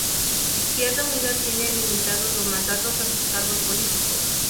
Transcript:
Izquierda Unida tiene limitados los mandatos a sus cargos políticos.